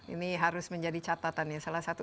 ini harus menjadi catatan ya salah satu